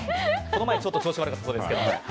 この前ちょっと調子悪かったそうですが。